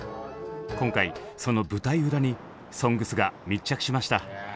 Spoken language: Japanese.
今回その舞台裏に「ＳＯＮＧＳ」が密着しました。